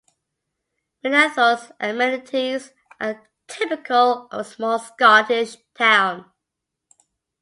Milnathort's amenities are typical of a small Scottish town.